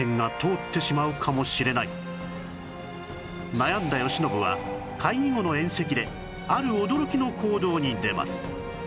悩んだ慶喜は会議後の宴席である驚きの行動に出ます